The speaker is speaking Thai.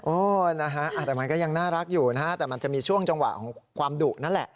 นะฮะแต่มันก็ยังน่ารักอยู่นะฮะแต่มันจะมีช่วงจังหวะของความดุนั่นแหละ